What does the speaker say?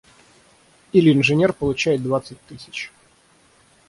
Или инженер получает двадцать тысяч.